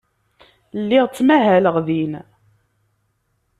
Lliɣ ttmahaleɣ din.